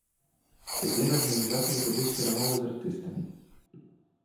Цяпер арганізатары вядуць перамовы з артыстамі.